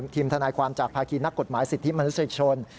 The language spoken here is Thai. ทีมธนาความจากภาคีนักกฎหมายสิทธิมนักสิทธิชน